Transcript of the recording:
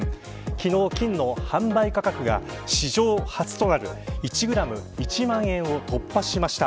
昨日、金の販売価格が史上初となる１グラム１万円を突破しました。